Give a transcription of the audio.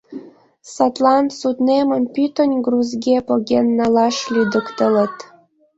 Садлан суднемым пӱтынь грузге поген налаш лӱдыктылыт...